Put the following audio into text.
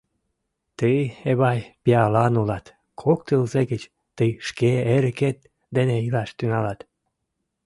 Тый, Эвай, пиалан улат: кок тылзе гыч тый шке эрыкет дене илаш тӱҥалат.